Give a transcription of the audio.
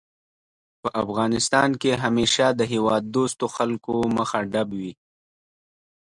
په افغانستان کې همېشه د هېواد دوستو خلکو مخه ډب وي